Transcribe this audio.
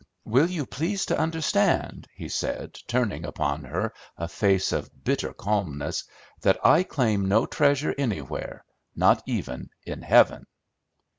"Will you please to understand," he said, turning upon her a face of bitter calmness, "that I claim no treasure anywhere, not even in heaven!"